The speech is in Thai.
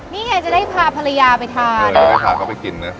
นี่ไงจะได้พาภรรยาไปทานเออให้พาเอาไปกินนี่